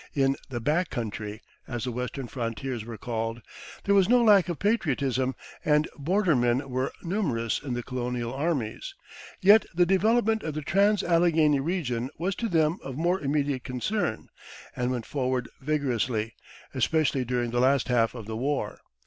In the "back country," as the Western frontiers were called, there was no lack of patriotism, and bordermen were numerous in the colonial armies; yet the development of the trans Alleghany region was to them of more immediate concern, and went forward vigorously, especially during the last half of the war.